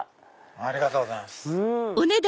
ありがとうございます。